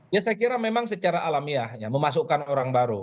ya saya kira memang secara alamiah ya memasukkan orang baru